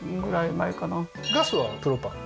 ガスはプロパン？